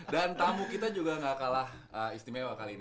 dan tamu kita juga gak kalah istimewa kali ini